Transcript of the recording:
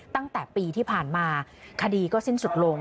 ตั้งแต่ปีที่ผ่านมาคดีก็สิ้นสุดลง